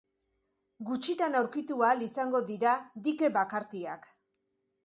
Gutxitan aurkitu ahal izango dira dike bakartiak.